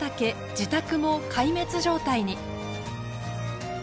自宅も壊滅状態に。